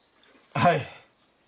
はい。